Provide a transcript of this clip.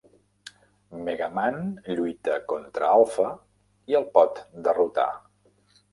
Megaman lluita contra Alpha i el pot derrotar.